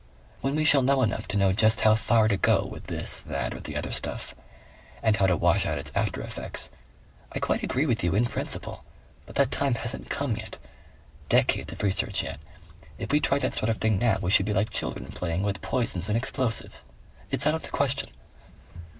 When we shall know enough to know just how far to go with this, that or the other stuff. And how to wash out its after effects.... I quite agree with you, in principle.... But that time hasn't come yet.... Decades of research yet.... If we tried that sort of thing now, we should be like children playing with poisons and explosives.... It's out of the question."